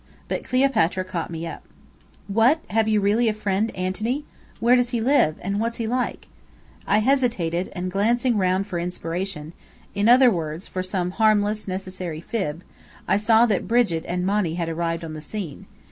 But Cleopatra caught me up. "What have you really a friend Antony? Where does he live? and what's he like?" I hesitated; and glancing round for inspiration (in other words for some harmless, necessary fib) I saw that Brigit and Monny had arrived on the scene.